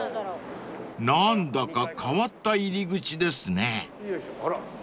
［何だか変わった入り口ですね］